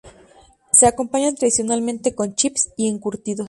Se acompañan tradicionalmente con "chips" y encurtidos.